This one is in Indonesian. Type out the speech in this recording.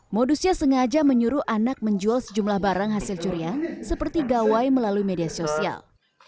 modusnya sengaja menyuruh anak menjual sejumlah barang hasil curian seperti gawai melalui media sosial